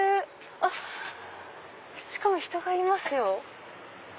あっしかも人がいますよ。